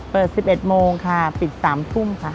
๑๑โมงค่ะปิด๓ทุ่มค่ะ